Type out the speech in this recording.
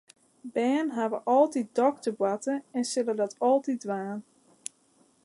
Bern hawwe altyd dokterkeboarte en sille dat altyd dwaan.